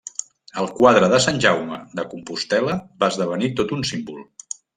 Al quadre de Sant Jaume de Compostel·la va esdevenir tot un símbol.